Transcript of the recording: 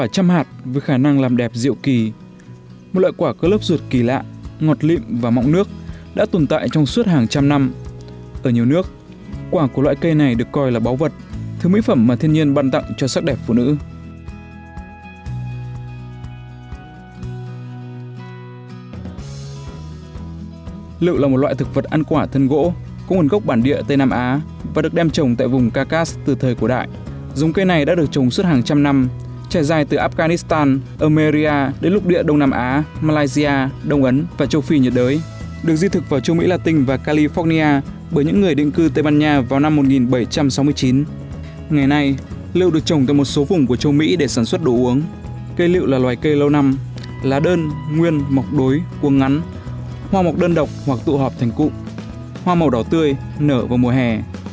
cây lưu là loài cây lâu năm lá đơn nguyên mọc đối cuồng ngắn hoa mọc đơn độc hoặc tụ hợp thành cụm hoa màu đỏ tươi nở vào mùa hè